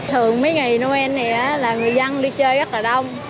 thường mấy ngày noel này là người dân đi chơi rất là đông